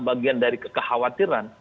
bagian dari kekhawatiran